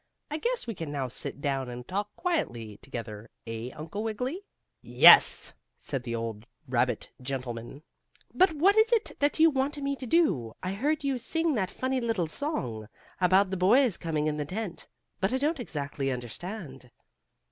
"I guess we can now sit down and talk quietly together; eh, Uncle Wiggily?" "Yes," said the old gentleman rabbit. "But what is it that you want me to do? I heard you sing that funny little song, about the boys coming in the tent. But I don't exactly understand."